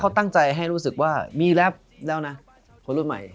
เขาตั้งใจให้รู้สึกว่ามีแรปแล้วนะคนรุ่นใหม่